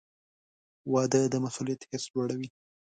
• واده د مسؤلیت حس لوړوي.